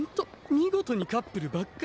見事にカップルばっか。